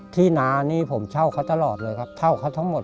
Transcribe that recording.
น้านี่ผมเช่าเขาตลอดเลยครับเช่าเขาทั้งหมด